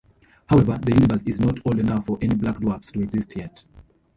However, the universe is not old enough for any black dwarfs to exist yet.